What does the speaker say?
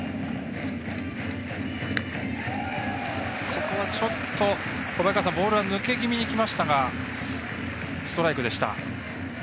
ここは、ちょっとボールは抜け気味にきましたがストライクでした。